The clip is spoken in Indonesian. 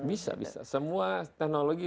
bisa bisa semua teknologi